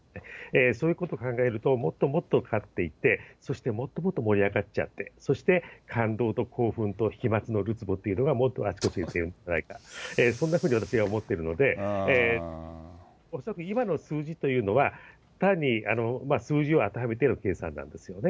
そういうことを考えると、もっともっと勝っていって、そしてもっともっと盛り上がっちゃって、そして感動と興奮と飛まつのるつぼっていうのがもっと待っているんじゃないか、そんなふうに私は思っているので、恐らく今の数字というのは、単に数字を当てはめての計算なんですよね。